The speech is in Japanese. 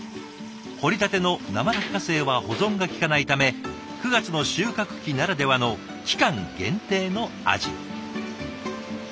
掘りたての生落花生は保存がきかないため９月の収穫期ならではの期間限定の味。